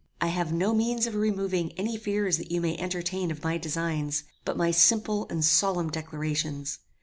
I have no means of removing any fears that you may entertain of my designs, but my simple and solemn declarations.